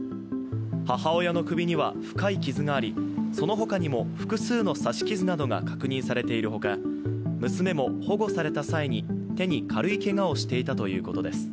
母親の首には深い傷があり、その他にも複数の刺し傷などが確認されているほか、娘も保護された際に手に軽いけがをしていたということです。